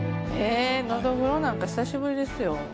えのどぐろなんか久しぶりですよ。